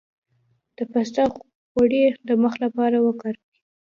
د پسته غوړي د مخ لپاره وکاروئ